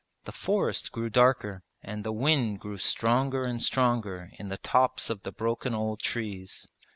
The forest grew darker and the wind grew stronger and stronger in the tops of the broken old trees.